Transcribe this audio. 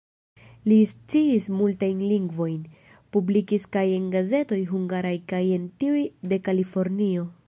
Li sciis multajn lingvojn, publikis kaj en gazetoj hungaraj kaj en tiuj de Kalifornio.